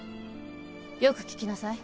よく聞きなさい。